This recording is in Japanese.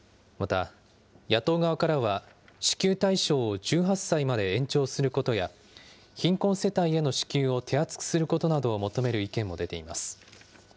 また、野党側からは、支給対象を１８歳まで延長することや、貧困世帯への支給を手厚くすることなどを求める意見も出ています。